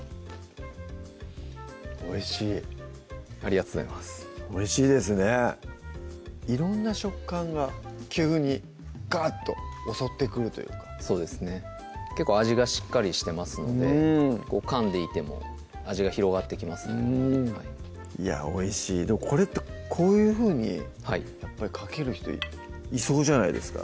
おいしいありがとうございますおいしいですね色んな食感が急にガッと襲ってくるというかそうですね結構味がしっかりしてますのでかんでいても味が広がってきますねいやおいしいこれってこういうふうにやっぱりかける人いそうじゃないですか？